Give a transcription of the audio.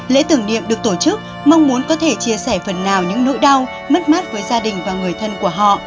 lễ tưởng niệm được tổ chức mong muốn có thể chia sẻ phần nào những nỗi đau mất mát với gia đình và người thân của họ